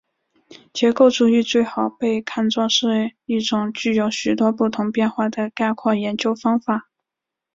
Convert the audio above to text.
结构主义最好被看作是一种具有许多不同变化的概括研究方法。